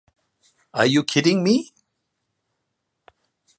Are you kidding me?